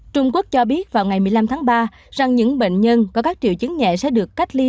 trung quốc cho biết vào ngày một mươi năm tháng ba rằng những bệnh nhân có các triệu chứng nhẹ sẽ được cách ly